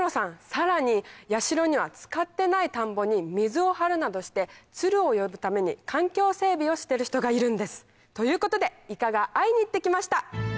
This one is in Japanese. さらに八代には使ってない田んぼに水を張るなどしてツルを呼ぶために環境整備をしてる人がいるんです。ということでいかが会いに行って来ました！